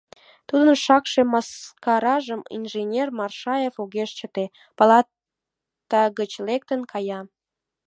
Тудын шакше мыскаражым инженер Марашев огеш чыте, палата гыч лектын кая.